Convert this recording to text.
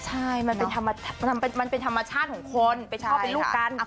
ใช่มันเป็นธรรมชาติของคนเป็นพ่อเป็นลูกกัน